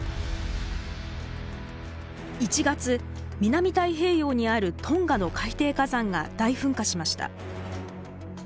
１月南太平洋にあるトンガの海底火山が大噴火しました。